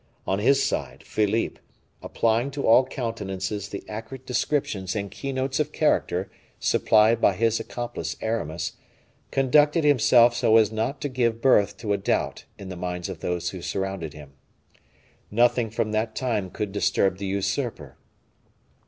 On his side, Philippe, applying to all countenances the accurate descriptions and key notes of character supplied by his accomplice Aramis, conducted himself so as not to give birth to a doubt in the minds of those who surrounded him. Nothing from that time could disturb the usurper.